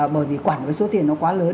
bởi vì quản cái số tiền nó quá lớn